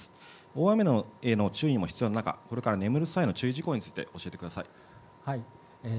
大雨への注意も必要な中このあと眠る際の注意事項についてお伝えてください。